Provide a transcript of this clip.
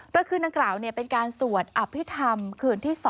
โดยคืนดังกล่าวเป็นการสวดอภิษฐรรมคืนที่๒